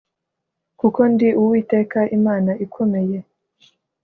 kuko ndi uwiteka imana ikomeye